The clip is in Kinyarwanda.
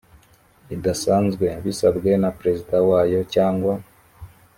idasanzwe bisabwe na perezida wayo cyangwa